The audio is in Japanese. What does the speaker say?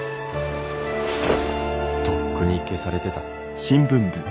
とっくに消されてた。